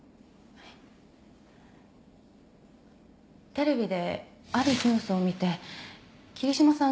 テレビであるニュースを見て桐島さん